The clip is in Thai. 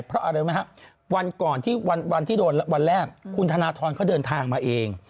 เพราะวันที่โดนวันแรกคุณธนทรเขาเดินทางมาเอง